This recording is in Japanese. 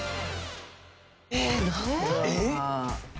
えっ？